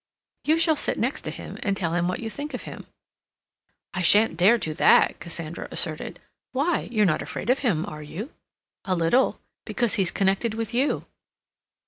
"You shall sit next to him and tell him what you think of him." "I shan't dare do that," Cassandra asserted. "Why? You're not afraid of him, are you?" "A little—because he's connected with you."